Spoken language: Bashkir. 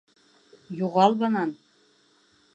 Юғал бынан!